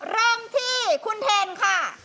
เริ่มที่คุณเทนค่ะ